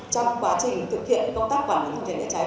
trong quá trình thực hiện công tác quản lý phòng cháy chữa cháy